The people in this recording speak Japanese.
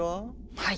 はい。